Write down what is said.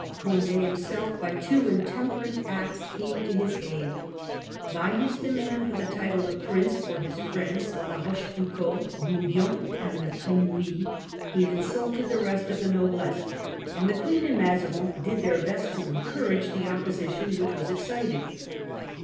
Condd himself by two intemperate acts came to his aid. Cond6 By his demand for the title of * Prince' for his estranges the friends, La Rochefoucauld, Bouillon, and La noblesse. Tremouille, he insulted the rest of the noblesse ; and the Queen and Mazarin did their best to encourage the opposition which was excited.